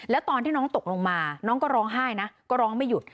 แล้วตอนที่น้องตกลงมาน้องก็ร้องไห้นะก็ร้องไม่หยุด